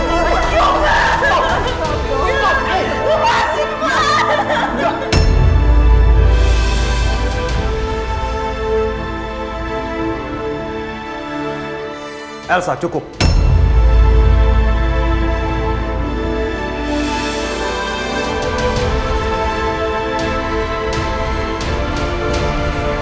udah pas sih pak